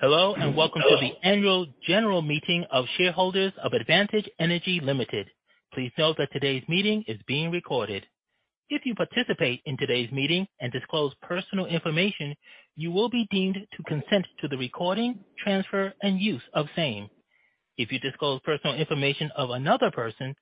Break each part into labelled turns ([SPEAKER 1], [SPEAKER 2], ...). [SPEAKER 1] Hello, and welcome to the Annual General Meeting of shareholders of Advantage Energy Ltd. Please note that today's meeting is being recorded. If you participate in today's meeting and disclose personal information, you will be deemed to consent to the recording, transfer, and use of same. If you disclose personal information of another person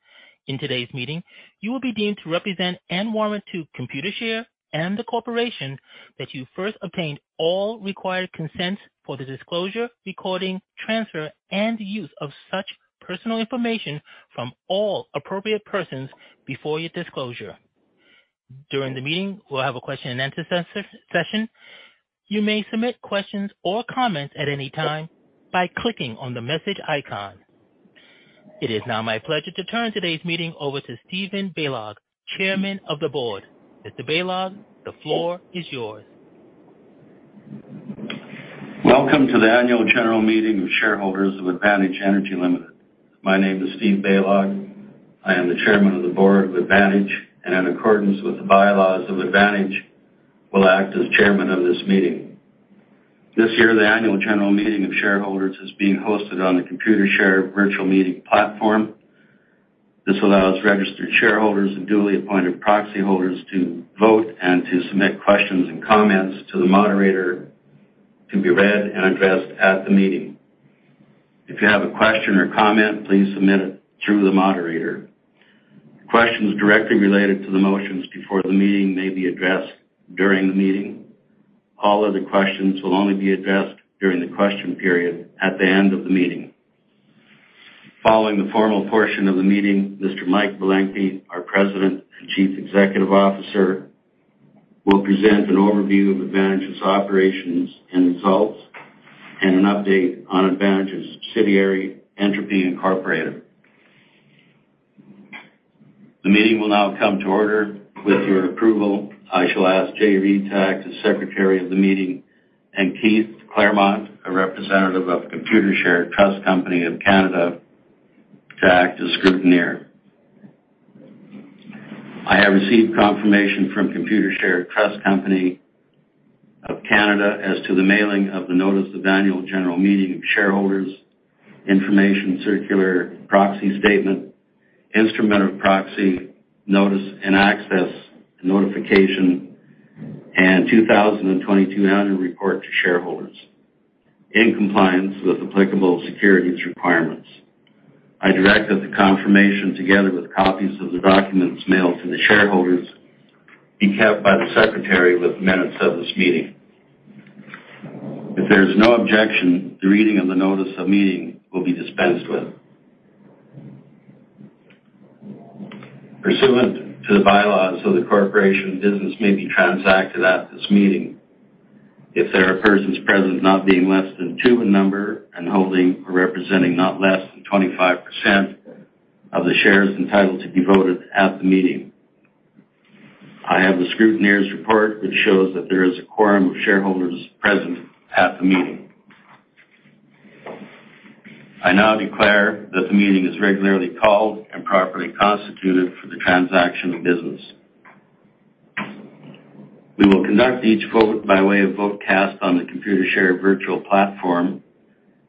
[SPEAKER 1] in today's meeting, you will be deemed to represent and warrant to Computershare and the corporation that you first obtained all required consents for the disclosure, recording, transfer, and use of such personal information from all appropriate persons before your disclosure. During the meeting, we'll have a question and answer session. You may submit questions or comments at any time by clicking on the message icon. It is now my pleasure to turn today's meeting over to Stephen Balog, Chairman of the Board. Mr. Balog, the floor is yours.
[SPEAKER 2] Welcome to the Annual General Meeting of shareholders of Advantage Energy Ltd. My name is Steve Balog. I am the Chairman of the Board of Advantage, and in accordance with the bylaws of Advantage, will act as Chairman of this meeting. This year, the Annual General Meeting of shareholders is being hosted on the Computershare virtual meeting platform. This allows registered shareholders and duly appointed proxy holders to vote and to submit questions and comments to the moderator to be read and addressed at the meeting. If you have a question or comment, please submit it through the moderator. Questions directly related to the motions before the meeting may be addressed during the meeting. All other questions will only be addressed during the question period at the end of the meeting. Following the formal portion of the meeting, Mr. Mike Belenkie, our President and Chief Executive Officer, will present an overview of Advantage's operations and results and an update on Advantage's subsidiary, Entropy Inc. The meeting will now come to order. With your approval, I shall ask Jay P. Reid as Secretary of the meeting and Keith Claremont, a representative of Computershare Trust Company of Canada, to act as scrutineer. I have received confirmation from Computershare Trust Company of Canada as to the mailing of the Notice of Annual General Meeting of Shareholders, Information Circular, Proxy Statement, Instrument of Proxy, Notice and Access Notification, and 2022 annual report to shareholders in compliance with applicable securities requirements. I direct that the confirmation, together with copies of the documents mailed to the shareholders, be kept by the Secretary with the minutes of this meeting. If there is no objection, the reading of the notice of meeting will be dispensed with. Pursuant to the bylaws of the corporation, business may be transacted at this meeting if there are persons present not being less than two in number and holding or representing not less than 25% of the shares entitled to be voted at the meeting. I have the scrutineer's report, which shows that there is a quorum of shareholders present at the meeting. I now declare that the meeting is regularly called and properly constituted for the transaction of business. We will conduct each vote by way of vote cast on the Computershare virtual platform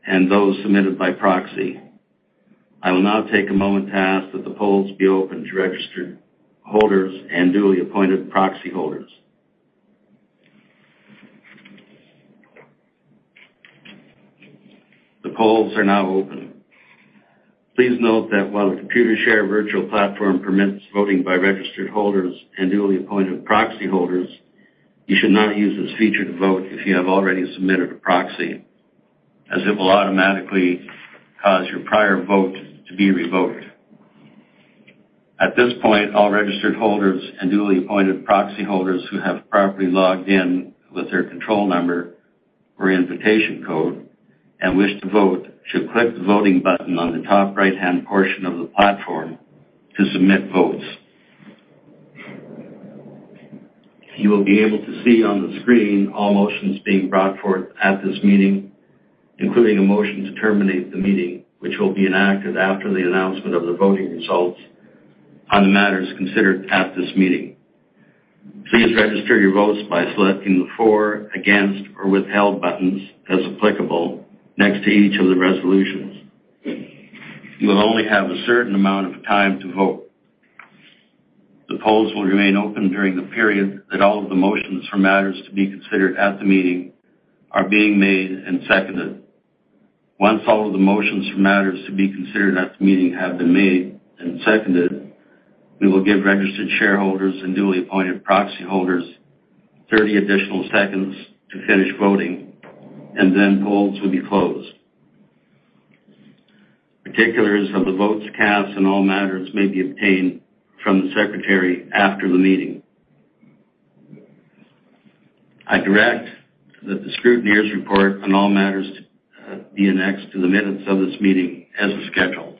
[SPEAKER 2] and those submitted by proxy. I will now take a moment to ask that the polls be opened to registered holders and duly appointed proxy holders. The polls are now open. Please note that while the Computershare virtual platform permits voting by registered holders and duly appointed proxy holders, you should not use this feature to vote if you have already submitted a proxy, as it will automatically cause your prior vote to be revoked. At this point, all registered holders and duly appointed proxy holders who have properly logged in with their control number or invitation code and wish to vote should click the Voting button on the top right-hand portion of the platform to submit votes. You will be able to see on the screen all motions being brought forth at this meeting, including a motion to terminate the meeting, which will be enacted after the announcement of the voting results on the matters considered at this meeting. Please register your votes by selecting the For, Against, or Withheld buttons, as applicable, next to each of the resolutions. You will only have a certain amount of time to vote. The polls will remain open during the period that all of the motions for matters to be considered at the meeting are being made and seconded. Once all of the motions for matters to be considered at the meeting have been made and seconded, we will give registered shareholders and duly appointed proxy holders 30 additional seconds to finish voting. Polls will be closed. Particulars of the votes cast on all matters may be obtained from the secretary after the meeting. I direct that the scrutineer's report on all matters be annexed to the minutes of this meeting as is scheduled.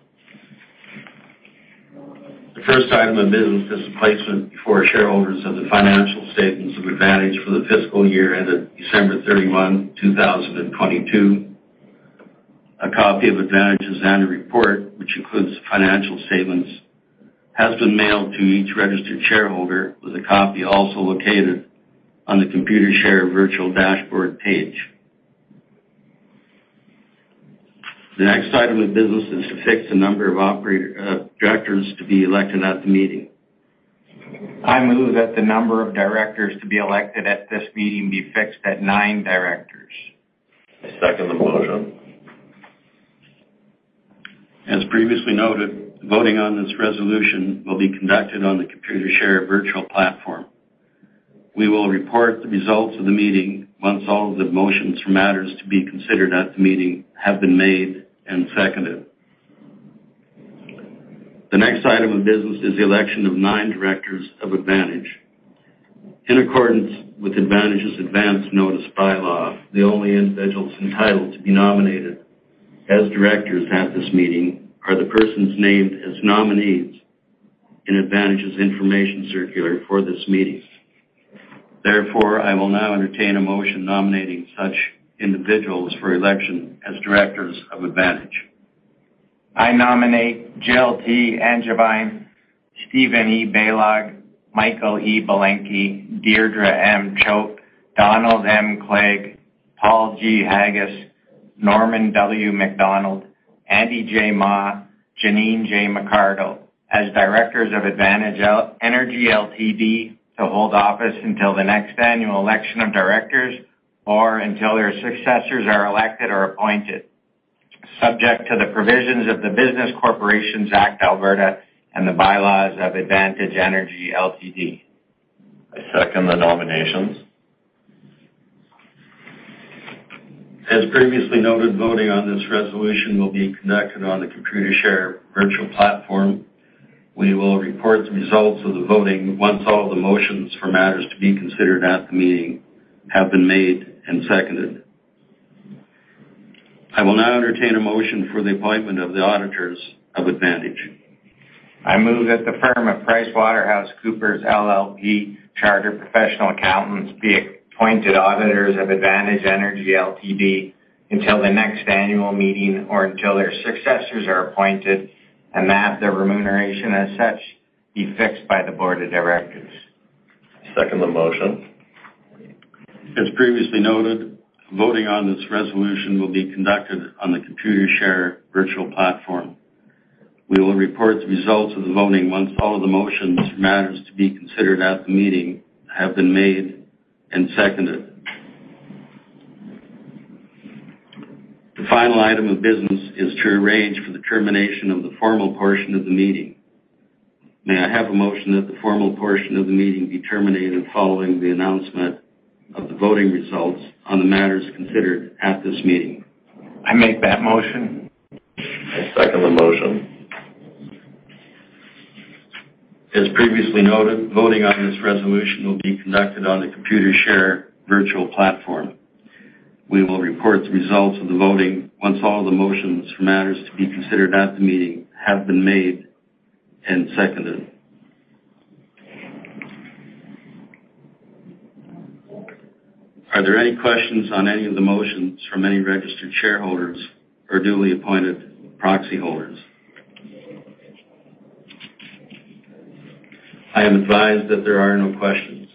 [SPEAKER 2] The first item of business is the placement before shareholders of the financial statements of Advantage for the fiscal year ended December 31st, 2022. A copy of Advantage's annual report, which includes financial statements, has been mailed to each registered shareholder with a copy also located on the Computershare virtual dashboard page. The next item of business is to fix the number of directors to be elected at the meeting.
[SPEAKER 3] I move that the number of directors to be elected at this meeting be fixed at nine directors.
[SPEAKER 2] I second the motion. As previously noted, voting on this resolution will be conducted on the Computershare virtual platform. We will report the results of the meeting once all of the motions for matters to be considered at the meeting have been made and seconded. The next item of business is the election of nine directors of Advantage. In accordance with Advantage's advance notice bylaw, the only individuals entitled to be nominated as directors at this meeting are the persons named as nominees in Advantage's Information Circular for this meeting. Therefore, I will now entertain a motion nominating such individuals for election as directors of Advantage.
[SPEAKER 3] I nominate Jill T. Angevine, Steven E. Balog, Michael E. Belenkie, Deirdre M. Choate, Donald M. Clague, Paul G. Haggis, Norman W. MacDonald, Andy J. Mah, Janine J. McArdle as directors of Advantage Energy Ltd to hold office until the next annual election of directors or until their successors are elected or appointed, subject to the provisions of the Business Corporations Act (Alberta), and the bylaws of Advantage Energy Ltd.
[SPEAKER 2] I second the nominations. As previously noted, voting on this resolution will be conducted on the Computershare virtual platform. We will report the results of the voting once all the motions for matters to be considered at the meeting have been made and seconded. I will now entertain a motion for the appointment of the auditors of Advantage.
[SPEAKER 3] I move that the firm of PricewaterhouseCoopers LLP Chartered Professional Accountants be appointed auditors of Advantage Energy Ltd. until the next annual meeting or until their successors are appointed, and that their remuneration as such be fixed by the Board of Directors.
[SPEAKER 2] Second the motion. As previously noted, voting on this resolution will be conducted on the Computershare virtual platform. We will report the results of the voting once all of the motions for matters to be considered at the meeting have been made and seconded. The final item of business is to arrange for the termination of the formal portion of the meeting. May I have a motion that the formal portion of the meeting be terminated following the announcement of the voting results on the matters considered at this meeting?
[SPEAKER 3] I make that motion.
[SPEAKER 2] I second the motion. As previously noted, voting on this resolution will be conducted on the Computershare virtual platform. We will report the results of the voting once all the motions for matters to be considered at the meeting have been made and seconded. Are there any questions on any of the motions from any registered shareholders or newly appointed proxy holders? I am advised that there are no questions.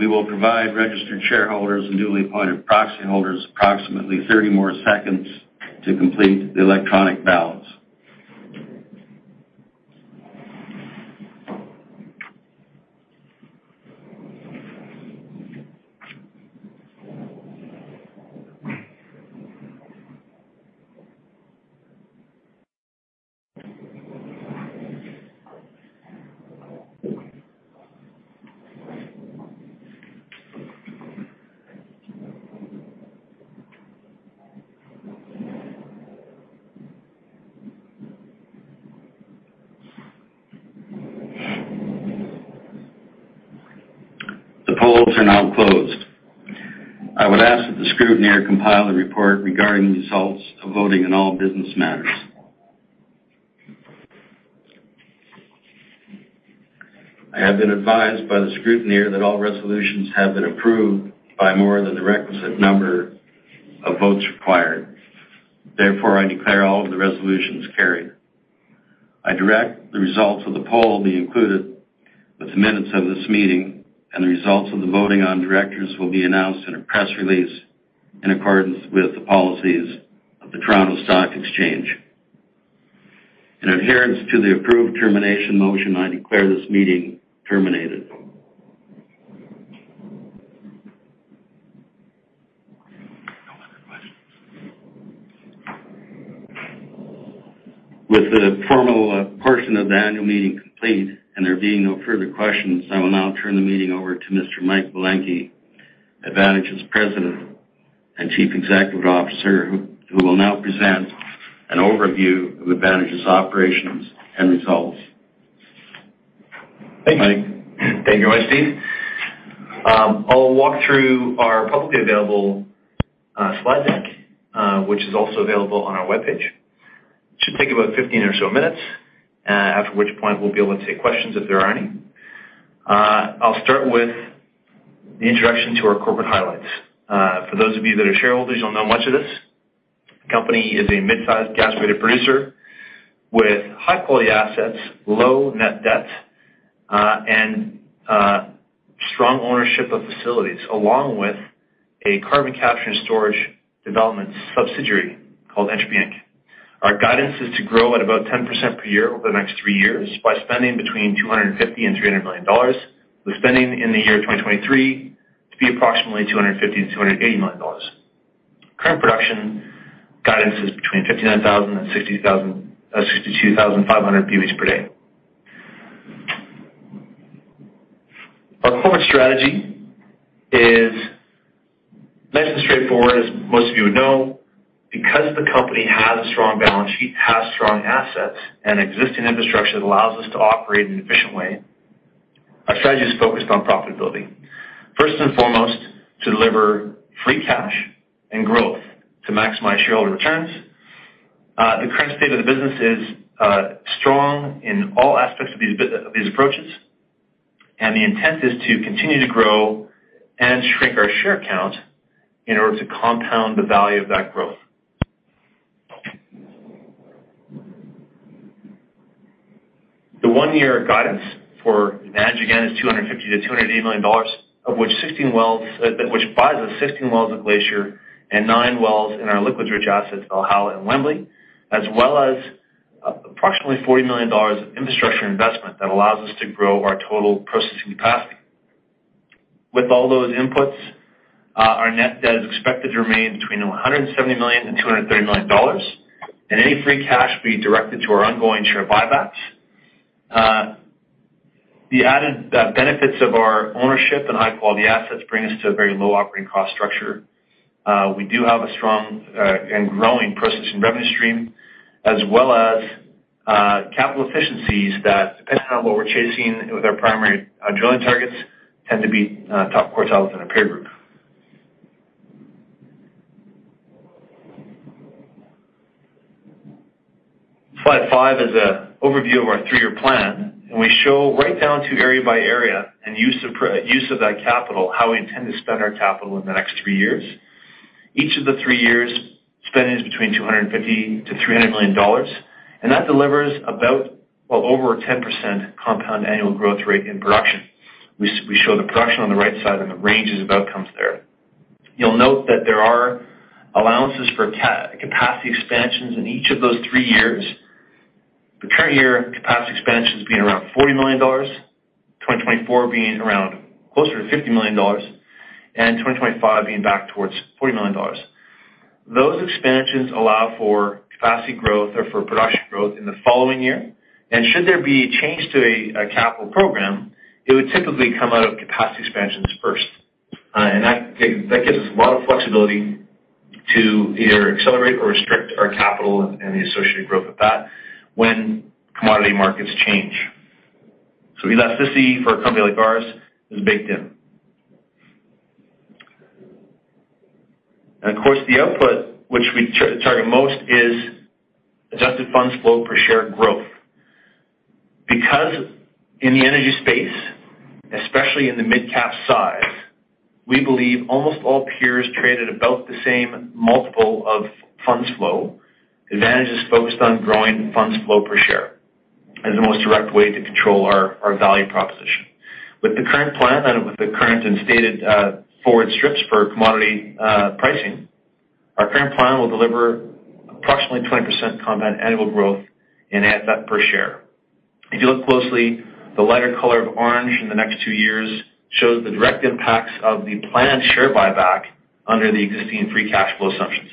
[SPEAKER 2] We will provide registered shareholders and newly appointed proxy holders approximately 30 more seconds to complete the electronic ballots. The polls are now closed. I would ask that the scrutineer compile a report regarding the results of voting in all business matters. I have been advised by the scrutineer that all resolutions have been approved by more than the requisite number of votes required. Therefore, I declare all of the resolutions carried. I direct the results of the poll be included with the minutes of this meeting. The results of the voting on directors will be announced in a press release in accordance with the policies of the Toronto Stock Exchange. In adherence to the approved termination motion, I declare this meeting terminated. No other questions. With the formal portion of the annual meeting complete and there being no further questions, I will now turn the meeting over to Mr. Mike Belenkie, Advantage's President and Chief Executive Officer, who will now present an overview of Advantage's operations and results. Thank you.
[SPEAKER 3] Mike.
[SPEAKER 4] Thank you very much, Steve. I'll walk through our publicly available slide deck, which is also available on our webpage. Should take about 15 or so minutes, after which point we'll be able to take questions if there are any. I'll start with the introduction to our corporate highlights. For those of you that are shareholders, you'll know much of this. The company is a mid-sized gas-weighted producer with high-quality assets, low net debt, and strong ownership of facilities, along with a carbon capture and storage development subsidiary called Entropy Inc. Our guidance is to grow at about 10% per year over the next three years by spending between 250 million-300 million dollars, with spending in the year 2023 to be approximately 250 million-280 million dollars. Current production guidance is between 59,000 and 62,500 boe/d. Our corporate strategy is nice and straightforward, as most of you would know. Because the company has a strong balance sheet, has strong assets and existing infrastructure that allows us to operate in an efficient way, our strategy is focused on profitability. First and foremost, to deliver free cash and growth to maximize shareholder returns. The current state of the business is strong in all aspects of these approaches, and the intent is to continue to grow and shrink our share count in order to compound the value of that growth. The one-year guidance for Advantage, again, is 250 million-280 million dollars, of which 16 wells, which buys us 16 wells in Glacier and nine wells in our liquids-rich assets, Valhalla and Wembley, as well as approximately 40 million dollars of infrastructure investment that allows us to grow our total processing capacity. With all those inputs, our net debt is expected to remain between 170 million-230 million dollars, and any free cash will be directed to our ongoing share buybacks. The added benefits of our ownership and high-quality assets bring us to a very low operating cost structure. We do have a strong and growing processing revenue stream, as well as capital efficiencies that, depending on what we're chasing with our primary drilling targets, tend to be top quartile within our peer group. Slide five is a overview of our three-year plan. We show right down to area by area and use of that capital, how we intend to spend our capital in the next three years. Each of the three years, spending is between 250 million-300 million dollars. That delivers about, well, over a 10% compound annual growth rate in production. We show the production on the right side and the ranges of outcomes there. You'll note that there are allowances for capacity expansions in each of those three years. The current year capacity expansions being around 40 million dollars, 2024 being around closer to 50 million dollars, and 2025 being back towards 40 million dollars. Those expansions allow for capacity growth or for production growth in the following year. Should there be a change to a capital program, it would typically come out of capacity expansions first. That gives us a lot of flexibility to either accelerate or restrict our capital and the associated growth with that when commodity markets change. Elasticity for a company like ours is baked in. Of course, the output which we target most is Adjusted Funds Flow per share growth. Because in the energy space, especially in the midcap size, we believe almost all peers trade at about the same multiple of funds flow. Advantage is focused on growing funds flow per share as the most direct way to control our value proposition. With the current plan and with the current and stated forward strips for commodity pricing, our current plan will deliver approximately 20% compound annual growth in AFF per share. If you look closely, the lighter color of orange in the next two years shows the direct impacts of the planned share buyback under the existing free cash flow assumptions.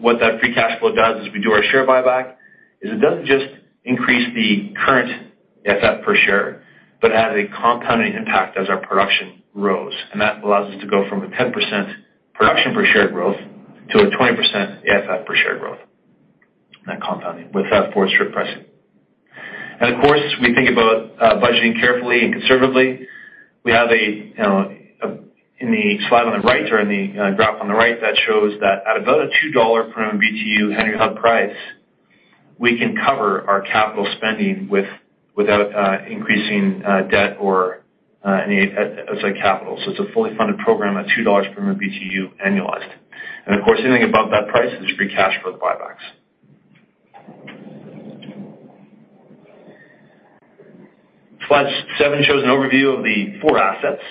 [SPEAKER 4] What that free cash flow does is we do our share buyback, is it doesn't just increase the current AFF per share, but has a compounding impact as our production grows. That allows us to go from a 10% production per share growth to a 20% AFF per share growth. That compounding with forward strip pricing. Of course, we think about budgeting carefully and conservatively. We have in the slide on the right or in the graph on the right that shows that at about a $2 per MMBtu Henry Hub price, we can cover our capital spending without increasing debt or any outside capital. It's a fully funded program at $2 per MMBtu annualized. Of course, anything above that price is free cash for the buybacks. Slide seven shows an overview of the four assets,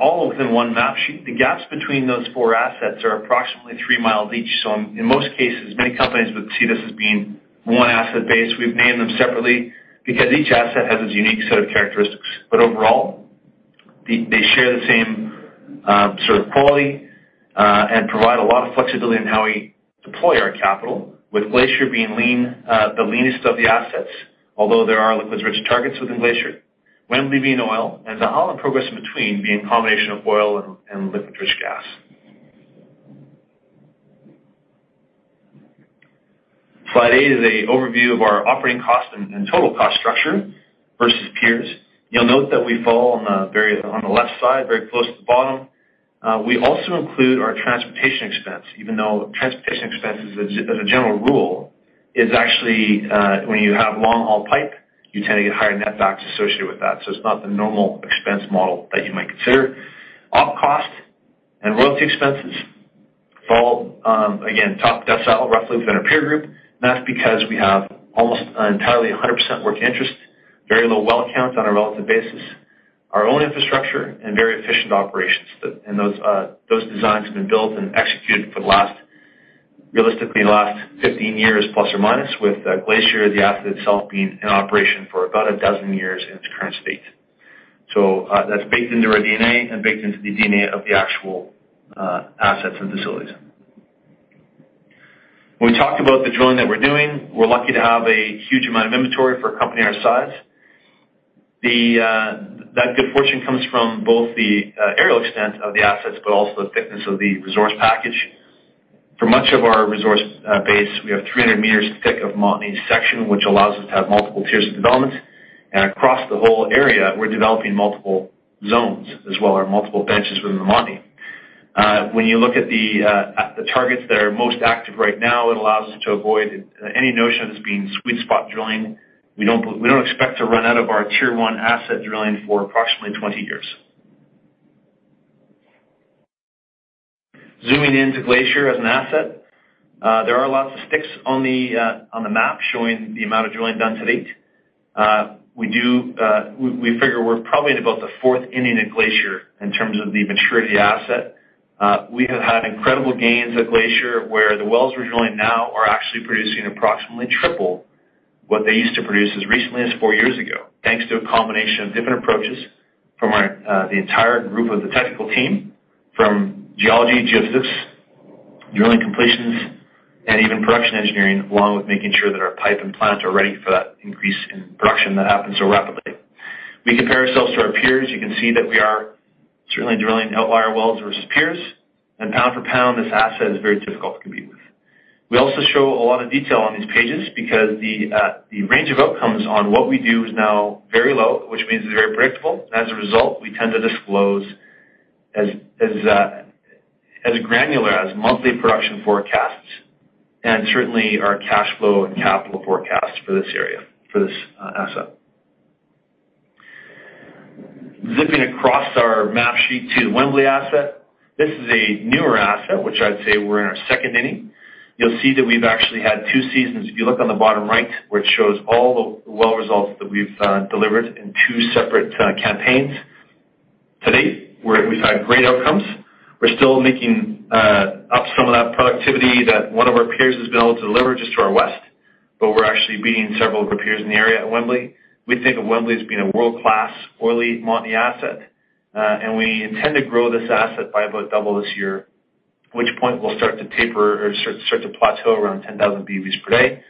[SPEAKER 4] all within one map sheet. The gaps between those four assets are approximately 3 mi each. In most cases, many companies would see this as being one asset base. We've named them separately because each asset has its unique set of characteristics. Overall, they share the same sort of quality and provide a lot of flexibility in how we deploy our capital, with Glacier being lean, the leanest of the assets, although there are liquids rich targets within Glacier. Wembley being oil, and Valhalla and Progress between being a combination of oil and liquid-rich gas. Slide eight is a overview of our operating cost and total cost structure versus peers. You'll note that we fall on the very on the left side, very close to the bottom. We also include our transportation expense, even though transportation expense is, as a general rule, is actually when you have long-haul pipe, you tend to get higher netbacks associated with that. It's not the normal expense model that you might consider. Op cost and royalty expenses fall, again, top decile, roughly within our peer group. That's because we have almost entirely 100% working interest, very low well count on a relative basis, our own infrastructure and very efficient operations. Those designs have been built and executed for the last, realistically, the last 15 years, plus or minus, with Glacier, the asset itself, being in operation for about 12 years in its current state. That's baked into our DNA and baked into the DNA of the actual assets and facilities. We talked about the drilling that we're doing. We're lucky to have a huge amount of inventory for a company our size. That good fortune comes from both the aerial extent of the assets, but also the thickness of the resource package. For much of our resource base, we have 300 metres thick of Montney section, which allows us to have multiple tiers of development. Across the whole area, we're developing multiple zones as well, or multiple benches within the Montney. When you look at the targets that are most active right now, it allows us to avoid any notion of this being sweet spot drilling. We don't expect to run out of our tier one asset drilling for approximately 20 years. Zooming into Glacier as an asset, there are lots of sticks on the map showing the amount of drilling done to date. We figure we're probably in about the fourth inning at Glacier in terms of the maturity asset. We have had incredible gains at Glacier, where the wells we're drilling now are actually producing approximately triple what they used to produce as recently as four years ago, thanks to a combination of different approaches from our, the entire group of the technical team, from geology, geophysics, drilling completions, and even production engineering, along with making sure that our pipe and plants are ready for that increase in production that happens so rapidly. We compare ourselves to our peers. You can see that we are certainly drilling outlier wells versus peers, and pound for pound, this asset is very difficult to compete with. We also show a lot of detail on these pages because the range of outcomes on what we do is now very low, which means it's very predictable. We tend to disclose as granular as monthly production forecasts and certainly our cash flow and capital forecasts for this area, for this asset. Across our map sheet to the Wembley asset. This is a newer asset, which I'd say we're in our second inning. You'll see that we've actually had two seasons, if you look on the bottom right, which shows all the well results that we've delivered in two separate campaigns. To date, we've had great outcomes. We're still making up some of that productivity that one of our peers has been able to deliver just to our west, we're actually beating several of our peers in the area at Wembley. We think of Wembley as being a world-class oily Montney asset, and we intend to grow this asset by about 2x this year, at which point we'll start to taper or start to plateau around 10,000 boe/d.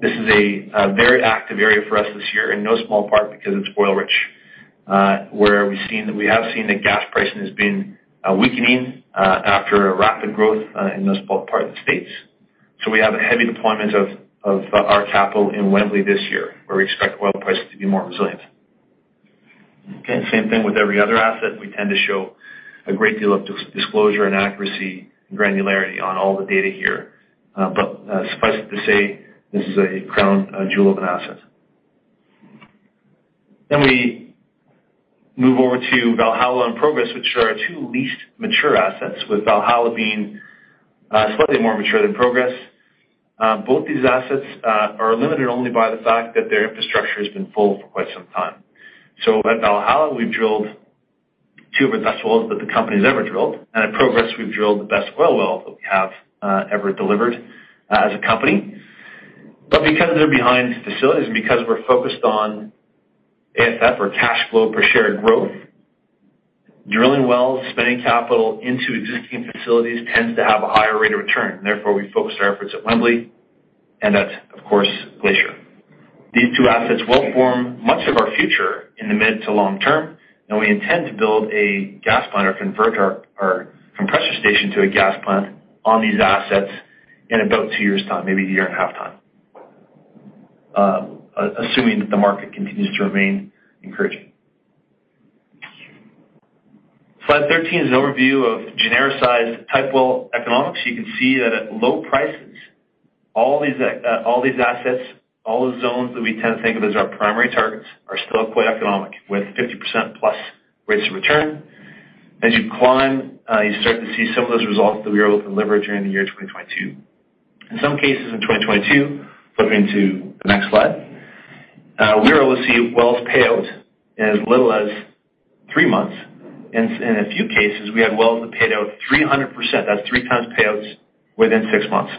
[SPEAKER 4] This is a very active area for us this year, in no small part because it's oil rich, where we have seen the gas pricing has been weakening after a rapid growth in this part of the States. We have a heavy deployment of our capital in Wembley this year, where we expect oil prices to be more resilient. Same thing with every other asset. We tend to show a great deal of dis-disclosure and accuracy and granularity on all the data here. Suffice it to say, this is a crown jewel of an asset. We move over to Valhalla and Progress, which are our two least mature assets, with Valhalla being slightly more mature than Progress. Both these assets are limited only by the fact that their infrastructure has been full for quite some time. At Valhalla, we've drilled two of the best wells that the company's ever drilled. At Progress, we've drilled the best oil well that we have ever delivered as a company. Because they're behind facilities and because we're focused on AFF or cash flow per share growth, drilling wells, spending capital into existing facilities tends to have a higher rate of return. Therefore, we focus our efforts at Wembley, and that's, of course, Glacier. These two assets won't form much of our future in the mid to long term, and we intend to build a gas plant or convert our compressor station to a gas plant on these assets in about two years' time, maybe a year and a half time, assuming that the market continues to remain encouraging. Slide 13 is an overview of genericized type-well economics. You can see that at low prices, all these assets, all the zones that we tend to think of as our primary targets, are still quite economic, with 50% + rates of return. As you climb, you start to see some of those results that we were able to deliver during the year 2022. In some cases in 2022, flipping to the next slide, we were able to see wells pay out in as little as three months. In a few cases, we had wells that paid out 300%. That's 3x payouts within six months.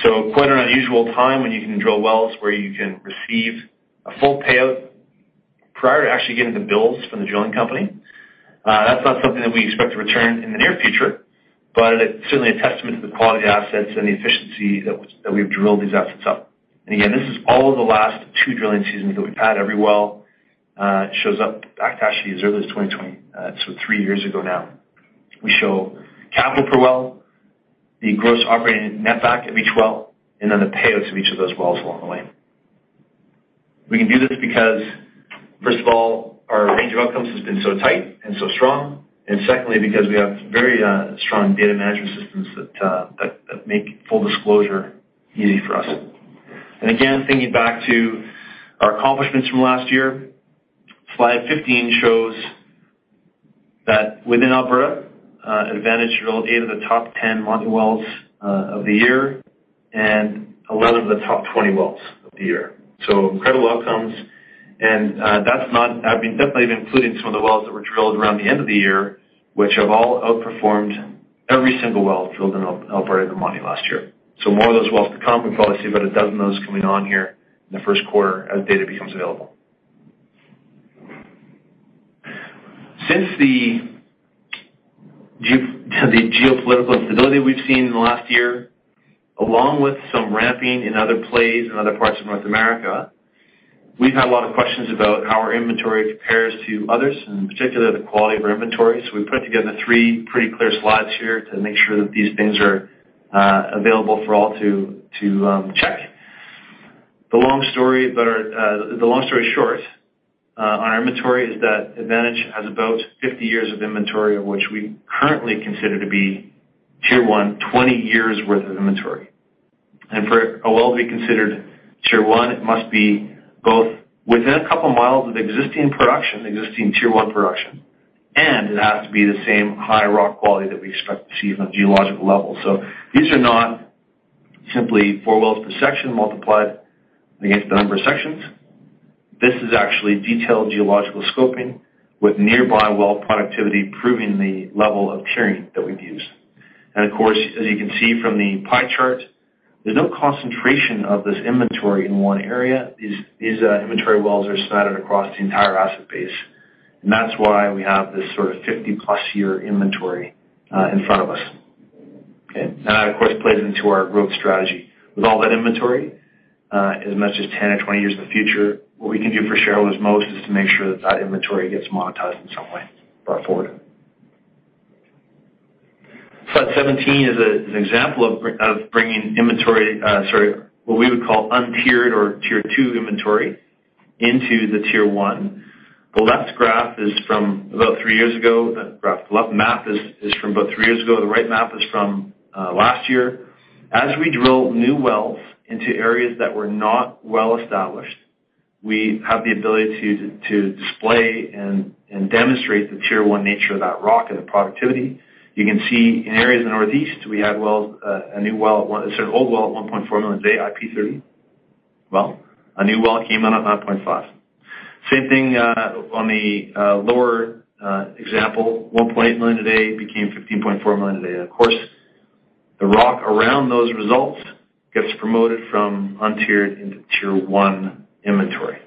[SPEAKER 4] Quite an unusual time when you can drill wells where you can receive a full payout prior to actually getting the bills from the drilling company. That's not something that we expect to return in the near future, but it's certainly a testament to the quality of the assets and the efficiency that we've drilled these assets up. Again, this is all of the last two drilling seasons that we've had. Every well shows up back to actually as early as 2020. Three years ago now. We show capital per well, the gross operating netback of each well, and then the payouts of each of those wells along the way. We can do this because, first of all, our range of outcomes has been so tight and so strong, and secondly, because we have very strong data management systems that make full disclosure easy for us. Again, thinking back to our accomplishments from last year, slide 15 shows that within Alberta, Advantage drilled eight of the top 10 Montney wells of the year, and 11 of the top 20 wells of the year. Incredible outcomes. That's not I mean, definitely including some of the wells that were drilled around the end of the year, which have all outperformed every single well drilled in Alberta Montney last year. More of those wells to come. We probably see about 12 of those coming on here in the first quarter as data becomes available. Since the geopolitical instability we've seen in the last year, along with some ramping in other plays in other parts of North America, we've had a lot of questions about how our inventory compares to others, and in particular, the quality of our inventory. We put together three pretty clear slides here to make sure that these things are available for all to check. The long story short on our inventory is that Advantage has about 50 years of inventory of which we currently consider to be tier one, 20 years' worth of inventory. For a well to be considered tier one, it must be both within 2 mi of existing production, existing tier one production, and it has to be the same high rock quality that we expect to see from geological levels. These are not simply four wells per section multiplied against the number of sections. This is actually detailed geological scoping with nearby well productivity proving the level of tiering that we've used. Of course, as you can see from the pie chart, there's no concentration of this inventory in one area. These inventory wells are scattered across the entire asset base. That's why we have this sort of 50+ years inventory in front of us. Okay? That, of course, plays into our growth strategy. With all that inventory, as much as 10 or 20 years in the future, what we can do for shareholders most is to make sure that that inventory gets monetized in some way far forward. Slide 17 is an example of bringing inventory, sorry, what we would call untiered or tier two inventory into the tier one. The left graph is from about three years ago. The left map is from about three years ago. The right map is from last year. As we drill new wells into areas that were not well established, we have the ability to display and demonstrate the tier one nature of that rock and the productivity. You can see in areas in the Northeast, we had wells, a new well. It's an old well at 1.4 million a day IP30 well. A new well came in at 9.5. Same thing, on the lower example, 1.8 million a day became 15.4 million a day. Of course, the rock around those results gets promoted from untiered into tier one inventory.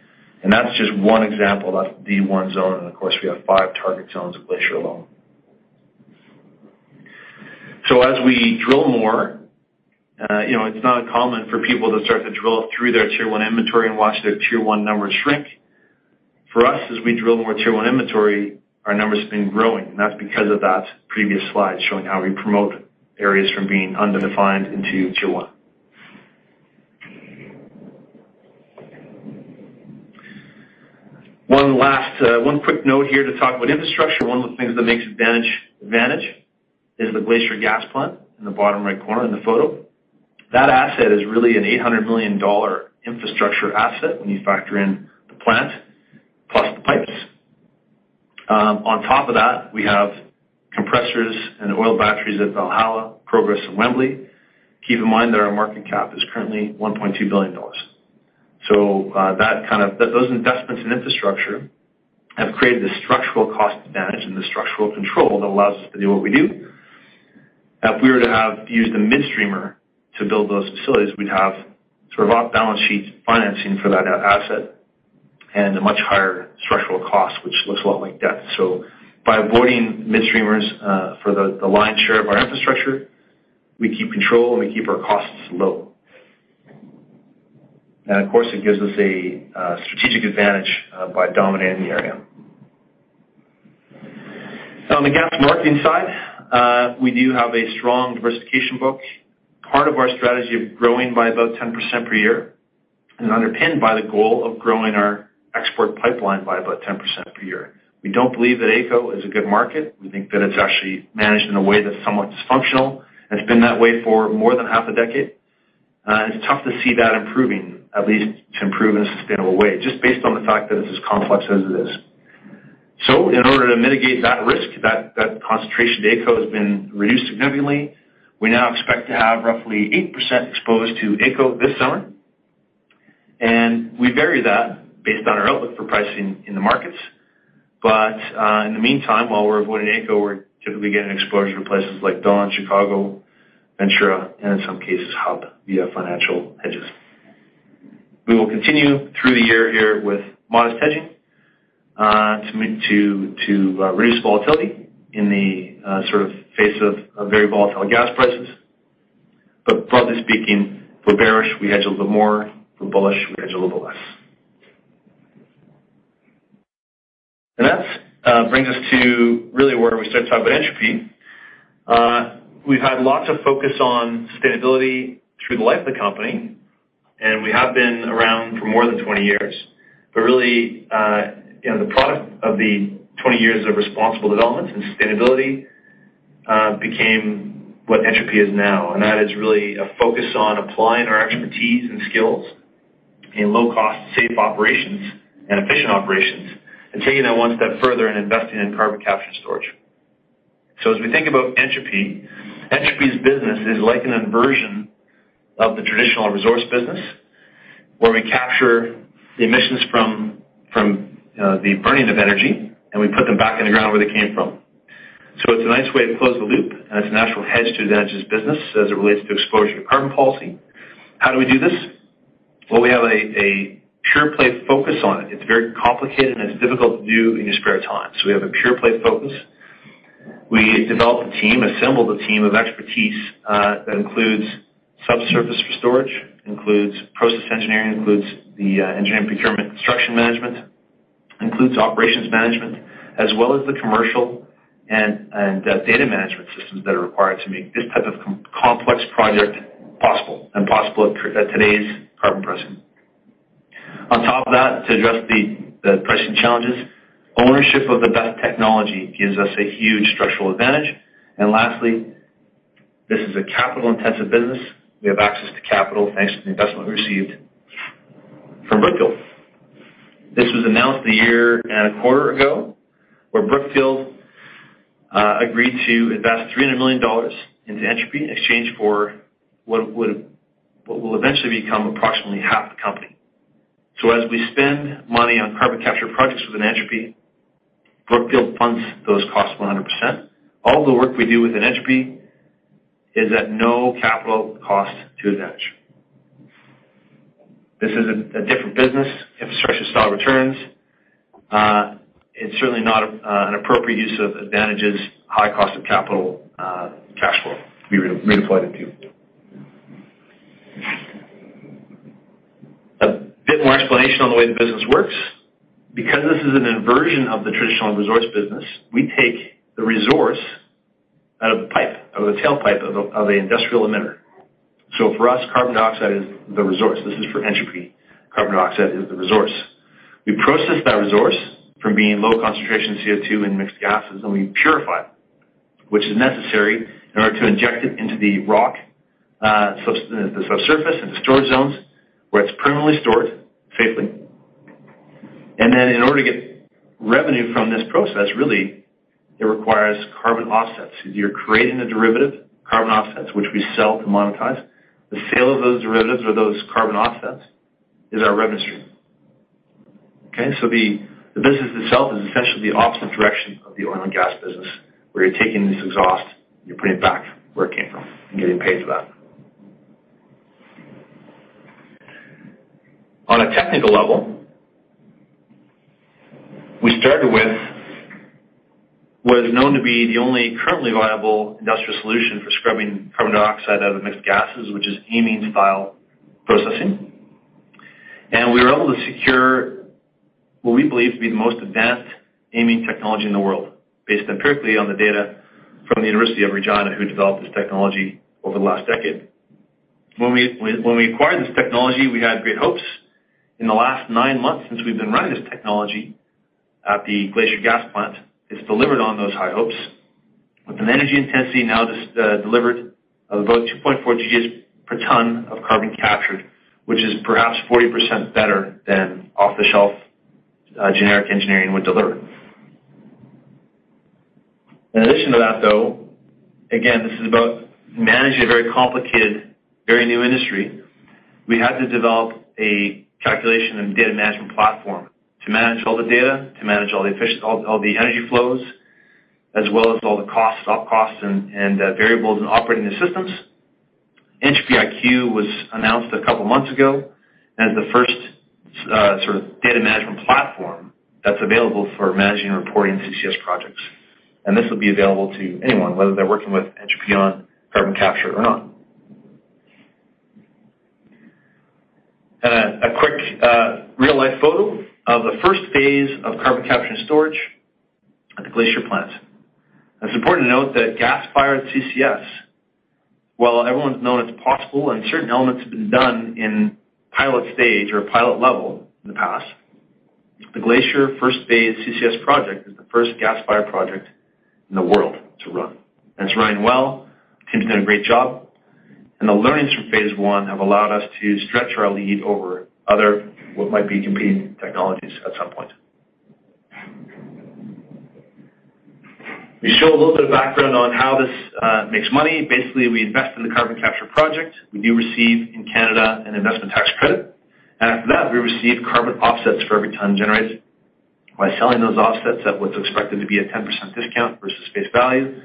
[SPEAKER 4] That's just one example. That's the one zone. Of course, we have five target zones at Glacier alone. As we drill more, you know, it's not uncommon for people to start to drill through their tier one inventory and watch their tier one numbers shrink. For us, as we drill more tier one inventory, our numbers have been growing. That's because of that previous slide showing how we promote areas from being underdefined into tier one. One last, one quick note here to talk about infrastructure. One of the things that makes Advantage is the Glacier Gas Plant in the bottom right corner in the photo. That asset is really a 800 million dollar infrastructure asset when you factor in the plant plus the pipes. On top of that, we have compressors and oil batteries at Valhalla, Progress, and Wembley. Keep in mind that our market cap is currently 1.2 billion dollars. Those investments in infrastructure have created this structural cost advantage and the structural control that allows us to do what we do. If we were to have used a midstreamer to build those facilities, we'd have sort of off-balance sheet financing for that asset and a much higher structural cost, which looks a lot like debt. By avoiding midstreamers, for the lion's share of our infrastructure, we keep control, we keep our costs low. Of course, it gives us a strategic advantage by dominating the area. On the gas marketing side, we do have a strong diversification book. Part of our strategy of growing by about 10% per year is underpinned by the goal of growing our export pipeline by about 10% per year. We don't believe that AECO is a good market. We think that it's actually managed in a way that's somewhat dysfunctional, and it's been that way for more than half a decade. It's tough to see that improving, at least to improve in a sustainable way, just based on the fact that it's as complex as it is. In order to mitigate that risk, that concentration at AECO has been reduced significantly. We now expect to have roughly 8% exposed to AECO this summer. We vary that based on our outlook for pricing in the markets. In the meantime, while we're avoiding AECO, we're typically getting exposure to places like Dawn, Chicago, Ventura, and in some cases, Hub via financial hedges. We will continue through the year here with modest hedging to reduce volatility in the sort of face of very volatile gas prices. Broadly speaking, if we're bearish, we hedge a little more. If we're bullish, we hedge a little less. That's brings us to really where we start talking about Entropy. We've had lots of focus on sustainability through the life of the company. We have been around for more than 20 years. Really, you know, the product of the 20 years of responsible development and sustainability, became what Entropy is now. That is really a focus on applying our expertise and skills in low-cost, safe operations and efficient operations, and taking that one step further and investing in carbon capture storage. As we think about Entropy's business is like an inversion of the traditional resource business, where we capture the emissions from, the burning of energy, and we put them back in the ground where they came from. It's a nice way to close the loop, and it's a natural hedge to Advantage's business as it relates to exposure to carbon policy. How do we do this? Well, we have a pure play focus on it. It's very complicated, and it's difficult to do in your spare time. We have a pure play focus. We developed a team, assembled a team of expertise, that includes subsurface for storage, includes process engineering, includes the engineering procurement construction management, includes operations management, as well as the commercial and data management systems that are required to make this type of complex project possible, and possible at today's carbon pricing. On top of that, to address the pricing challenges, ownership of the best technology gives us a huge structural advantage. Lastly, this is a capital-intensive business. We have access to capital, thanks to the investment we received from Brookfield. This was announced a year and a quarter ago, where Brookfield agreed to invest 300 million dollars into Entropy in exchange for what will eventually become approximately half the company. As we spend money on carbon capture projects within Entropy, Brookfield funds those costs 100%. All the work we do within Entropy is at no capital cost to Advantage. This is a different business. Infrastructure-style returns. It's certainly not an appropriate use of Advantage's high cost of capital cash flow. We deployed a few. A bit more explanation on the way the business works. This is an inversion of the traditional resource business, we take the resource out of the pipe, out of the tailpipe of a, of a industrial emitter. For us, carbon dioxide is the resource. This is for Entropy. Carbon dioxide is the resource. We process that resource from being low concentration CO2 and mixed gases, and we purify it, which is necessary in order to inject it into the rock, the subsurface and the storage zones where it's permanently stored safely. Then in order to get revenue from this process, really, it requires carbon offsets. You're creating a derivative, carbon offsets, which we sell to monetize. The sale of those derivatives or those carbon offsets is our revenue stream. Okay? The business itself is essentially the opposite direction of the oil and gas business, where you're taking this exhaust, and you're putting it back where it came from and getting paid for that. On a technical level, we started with what is known to be the only currently viable industrial solution for scrubbing carbon dioxide out of mixed gases, which is amine-style processing. We were able to secure what we believe to be the most advanced amine technology in the world, based empirically on the data from the University of Regina, who developed this technology over the last decade. When we acquired this technology, we had great hopes. In the last nine months since we've been running this technology at the Glacier Gas Plant, it's delivered on those high hopes with an energy intensity now just delivered of about 2.4 GJ per tonne of carbon captured, which is perhaps 40% better than off-the-shelf generic engineering would deliver. In addition to that, though, again, this is about managing a very complicated, very new industry. We had to develop a calculation and data management platform to manage all the data, to manage all the energy flows, as well as all the costs, op costs and variables in operating the systems. EntropyIQ was announced a couple months ago as the first sort of data management platform that's available for managing and reporting CCS projects. This will be available to anyone, whether they're working with Entropy on carbon capture or not. A quick real-life photo of the first phase of carbon capture and storage at the Glacier plant. It's important to note that gas-fired CCS, while everyone's known it's possible and certain elements have been done in pilot stage or pilot level in the past, the Glacier first phase CCS project is the first gas-fired project in the world to run. It's running well. The team's done a great job. The learnings from phase I have allowed us to stretch our lead over other what might be competing technologies at some point. We show a little bit of background on how this makes money. Basically, we invest in the carbon capture project. We do receive in Canada an investment tax credit. After that, we receive carbon offsets for every tonne generated. By selling those offsets at what's expected to be a 10% discount versus face value,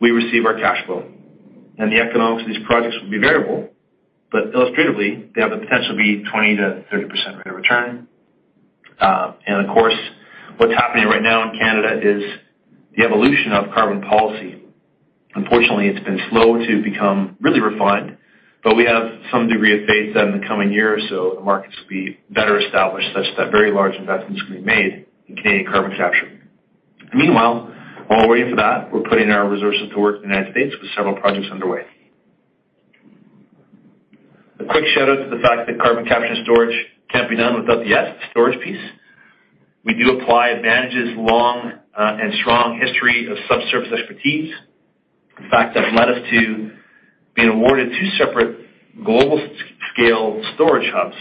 [SPEAKER 4] we receive our cash flow. The economics of these projects will be variable, but illustratively, they have the potential to be 20%-30% rate of return. Of course, what's happening right now in Canada is the evolution of carbon policy. Unfortunately, it's been slow to become really refined, but we have some degree of faith that in the coming year or so, the markets will be better established such that very large investments can be made in Canadian carbon capture. Meanwhile, while we're waiting for that, we're putting our resources to work in the United States with several projects underway. A quick shout-out to the fact that carbon capture and storage can't be done without the S, the storage piece. We do apply Advantage's long and strong history of subsurface expertise. In fact, that led us to being awarded two separate global-scale storage hubs.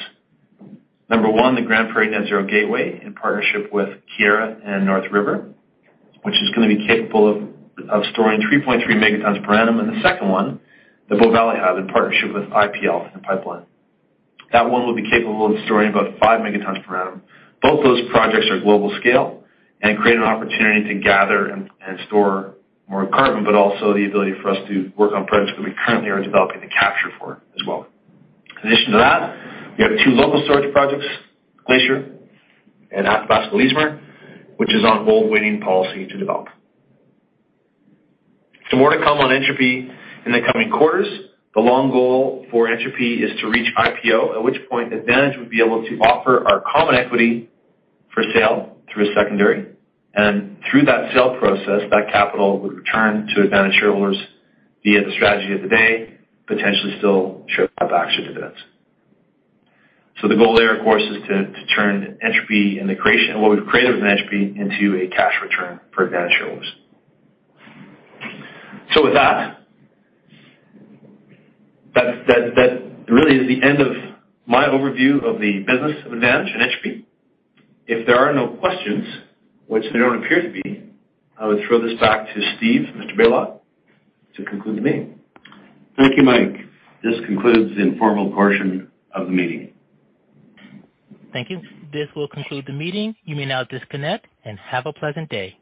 [SPEAKER 4] Number one, the Grande Prairie Net-Zero Gateway in partnership with Keyera and North River, which is gonna be capable of storing 3.3 megatonnes per annum. The second one, the Bow Valley Hub, in partnership with Inter Pipeline. That one will be capable of storing about five megatonnes per annum. Both those projects are global scale and create an opportunity to gather and store more carbon, but also the ability for us to work on projects that we currently are developing the capture for as well. In addition to that, we have two local storage projects, Glacier and Athabasca Leismer, which is on hold waiting policy to develop. More to come on Entropy in the coming quarters. The long goal for Entropy is to reach IPO, at which point Advantage would be able to offer our common equity for sale through a secondary. Through that sale process, that capital would return to Advantage shareholders via the strategy of the day, potentially still share buybacks or dividends. The goal there, of course, is to turn Entropy what we've created with Entropy into a cash return for Advantage shareholders. With that really is the end of my overview of the business of Advantage and Entropy. If there are no questions, which there don't appear to be, I would throw this back to Steve, Mr. Balog, to conclude the meeting.
[SPEAKER 2] Thank you, Mike. This concludes the informal portion of the meeting.
[SPEAKER 1] Thank you. This will conclude the meeting. You may now disconnect and have a pleasant day.